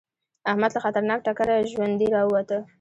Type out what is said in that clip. احمد له خطرناک ټکره ژوندی راووته.